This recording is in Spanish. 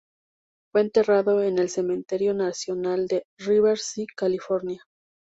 Fue enterrado en el Cementerio Nacional de Riverside, California.